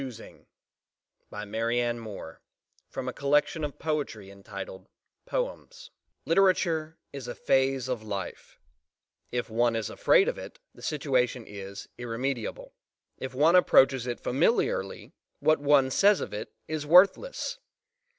POEMS BY MARIANNE MOORE PICKING AND CHOOSING Literature is a phase of life: if one is afraid of it, the situation is irremediable; if one approaches it familiarly, what one says of it is worthless.